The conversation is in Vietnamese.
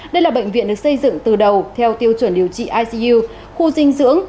đây là bệnh viện được xây dựng từ đầu theo tiêu chuẩn điều trị icu khu dinh dưỡng